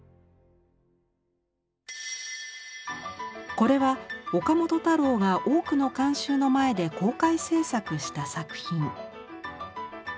これは岡本太郎が多くの観衆の前で公開制作した作品。